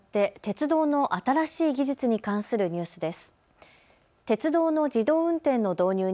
変わって鉄道の新しい技術に関するニュースです。